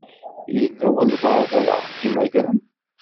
Yella walebɛaḍ ara ɣ-d-imagren?